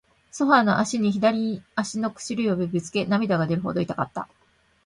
ソファーの脚に、左足の薬指をぶつけ、涙が出るほど痛かった。